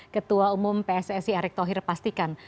ketua umum pssi erick thohir pastikan